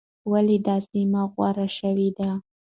ولې دا سیمه غوره شوې ده؟